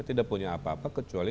tidak punya apa apa kecuali